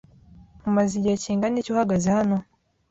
Umaze igihe kingana iki uhagaze hano?